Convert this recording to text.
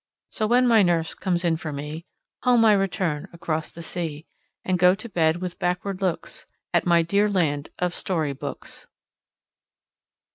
So when my nurse comes in for me, Home I return across the sea, And go to bed with backward looks At my dear land of Story books.